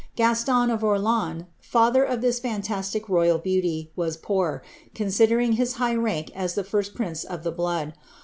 Gaston of Orleans, father of this fiintastii royal beauty, was poor, considering his high rank as the first prince oi the blood.